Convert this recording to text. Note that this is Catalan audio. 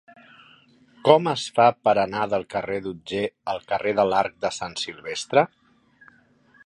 Com es fa per anar del carrer d'Otger al carrer de l'Arc de Sant Silvestre?